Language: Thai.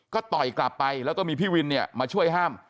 ก็ต่อยกลับไปแล้วก็มีพี่วินเนี่ยมาช่วยห้าม